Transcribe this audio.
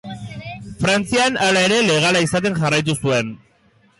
Frantzian, hala ere, legala izaten jarraitu zuen.